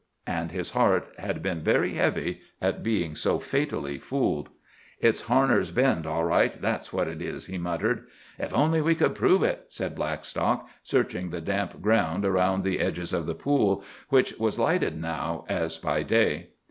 And his heart had been very heavy at being so fatally fooled. "It's Harner's Bend all right, that's what it is!" he muttered. "Ef only we could prove it," said Blackstock, searching the damp ground about the edges of the pool, which was lighted now as by day.